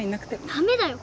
ダメだよ！